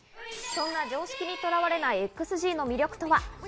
そんな常識にとらわれないＸＧの魅力とは？